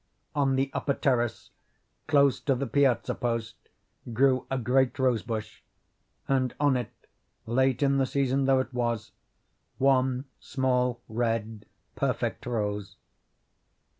On the upper terrace close to the piazza post, grew a great rose bush, and on it, late in the season though it was, one small red, perfect rose.